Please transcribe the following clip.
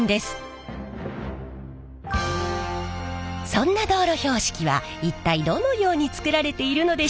そんな道路標識は一体どのように作られているのでしょうか？